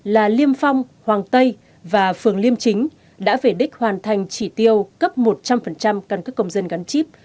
là liêm phong hoàng tây và phường liêm chính đã về đích hoàn thành chỉ tiêu cấp một trăm linh căn cước công dân gắn chip